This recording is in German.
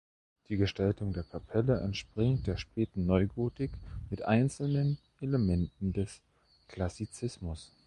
Die Gestaltung der Kapelle entspringt der späten Neugotik mit einzelnen Elementen des Klassizismus.